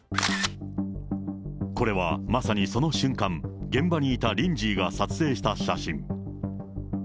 これはまさにその瞬間、現場にいたリンジーが撮影した写真。